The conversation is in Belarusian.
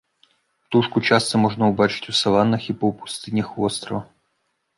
Птушку часта можна ўбачыць у саваннах і паўпустынях вострава.